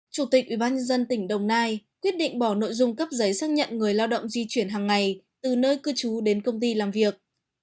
chủ tịch ủy ban nhân dân tỉnh đồng nai quyết định bỏ nội dung cấp giấy xác nhận người lao động di chuyển hàng ngày từ nơi cư trú đến công ty làm việc